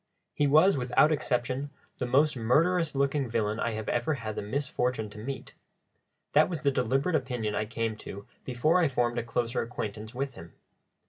He was, without exception, the most murderous looking villain I have ever had the misfortune to meet: that was the deliberate opinion I came to before I formed a closer acquaintance with him.